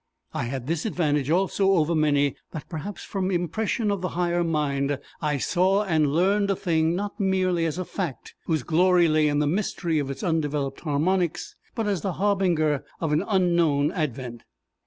I had this advantage also over many, that, perhaps from impression of the higher mind, I saw and learned a thing not merely as a fact whose glory lay in the mystery of its undeveloped harmonics, but as the harbinger of an unknown advent.